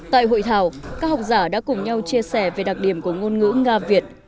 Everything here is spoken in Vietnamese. tại hội thảo các học giả đã cùng nhau chia sẻ về đặc điểm của ngôn ngữ nga việt